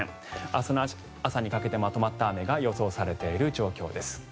明日の朝にかけてまとまった雨が予想されている状況です。